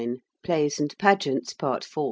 PLAYS AND PAGEANTS. PART IV.